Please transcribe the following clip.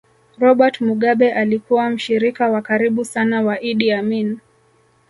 Robert Mugabe alikuwa mshirika wa karibu sana wa Idi Amin